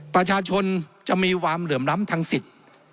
ประชาชนจะมีความเหลื่อมล้ำทางสิทธิ์